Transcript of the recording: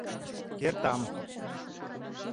Кертам.